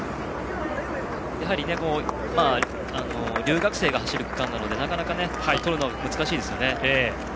やはり留学生が走る区間なのでなかなかとるの難しいですよね。